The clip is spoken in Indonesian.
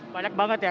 banyak banget ya